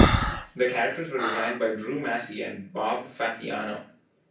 The characters were designed by Drew Massey and Bob Fappiano.